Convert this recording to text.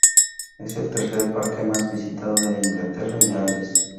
Es el tercer parque más visitado de Inglaterra y Gales.